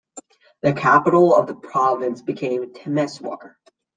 The capital of the province became Temeswar.